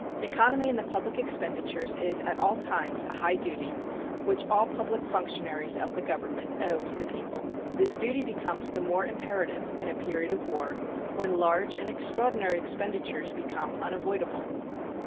Economy in the public expenditures is at all times a high duty which all public functionaries of the Government owe to the people. This duty becomes the more imperative in a period of war, when large and extraordinary expenditures become unavoidable.